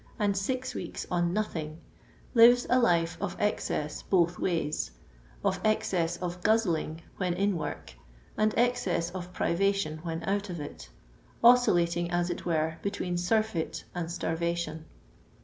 and tix weeks on nothing , lives a life of excess both ways — of excess of guzzling" when in work, and excess of privation when out of it — oscillating, as it were, between surfeit and starv ation.